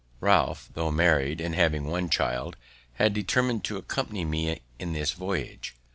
Ralph, though married, and having one child, had determined to accompany me in this voyage.